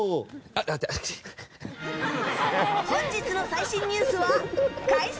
本日の最新ニュースは開催